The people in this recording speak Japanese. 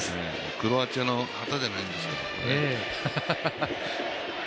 クロアチアの旗じゃないんですから。